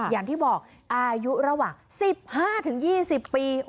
อย่างที่บอกอายุระหว่างสิบห้าถึงยี่สิบปี